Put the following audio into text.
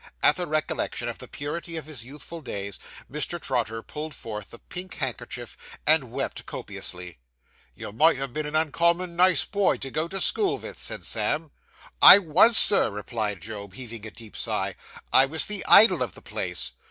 At the recollection of the purity of his youthful days, Mr. Trotter pulled forth the pink handkerchief, and wept copiously. 'You must ha' been an uncommon nice boy, to go to school vith,' said Sam. 'I was, sir,' replied Job, heaving a deep sigh; 'I was the idol of the place.